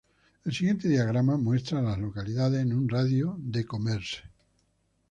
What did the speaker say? El siguiente diagrama muestra a las localidades en un radio de de Commerce.